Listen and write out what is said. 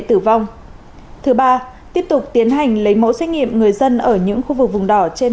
tử vong thứ ba tiếp tục tiến hành lấy mẫu xét nghiệm người dân ở những khu vực vùng đỏ trên